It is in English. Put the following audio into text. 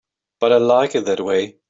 But I like it that way.